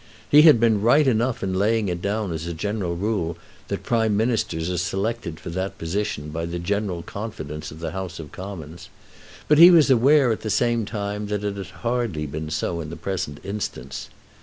He had been right enough in laying it down as a general rule that Prime Ministers are selected for that position by the general confidence of the House of Commons; but he was aware at the same time that it had hardly been so in the present instance.